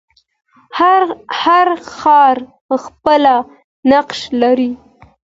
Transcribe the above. هر ښار خپله نقشه لري.